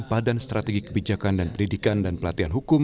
badan strategi kebijakan dan pendidikan dan pelatihan hukum